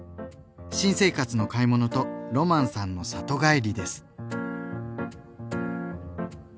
新生活の買い物とロマンさんの里帰りです。